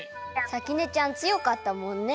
さきねちゃんつよかったもんね。